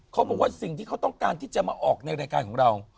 เขาบอกว่าสิ่งที่เขาต้องการที่จะมาออกในรายการของเรา